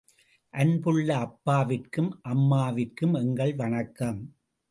அன்புள்ள அப்பாவிற்கும் அம்மாவிற்கும், எங்கள் வணக்கம்.